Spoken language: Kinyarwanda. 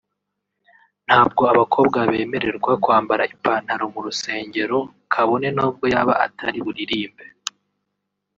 ntabwo abakobwa bemererwa kwambara ipantaro mu rusengero kabone n’ubwo yaba atari buririmbe